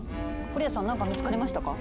フォリアさん何か見つかりましたか？